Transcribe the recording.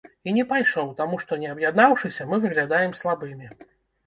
І не пайшоў, таму што, не аб'яднаўшыся, мы выглядаем слабымі.